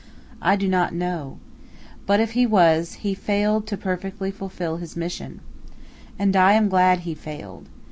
I do not know. But, if he was, he failed perfectly to fulfil his mission. And I am glad he failed.